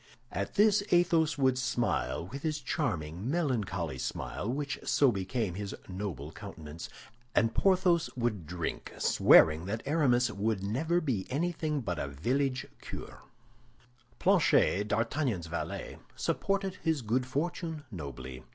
At this Athos would smile, with his charming, melancholy smile, which so became his noble countenance, and Porthos would drink, swearing that Aramis would never be anything but a village curé. Planchet, D'Artagnan's valet, supported his good fortune nobly.